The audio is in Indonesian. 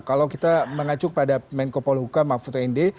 kalau kita mengacu pada menko polhuka mahfud tnd